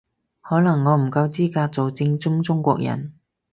可能我唔夠資格做正宗中國人